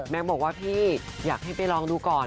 บอกว่าพี่อยากให้ไปลองดูก่อน